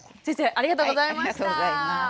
ありがとうございます。